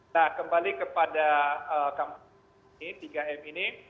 nah kembali kepada kampanye ini tiga m ini